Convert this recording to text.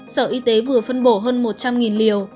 sở y tế vừa phân bổ hơn một trăm linh liều